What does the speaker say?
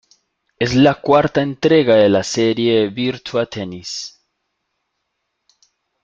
Es la cuarta entrega de la serie Virtua Tennis.